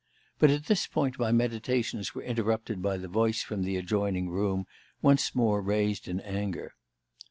But at this point my meditations were interrupted by the voice from the adjoining room, once more raised in anger.